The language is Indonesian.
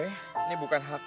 ini bukan hak gue